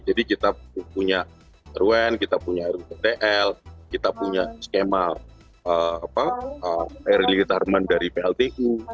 jadi kita punya ruen kita punya rudl kita punya skema air litarman dari pltu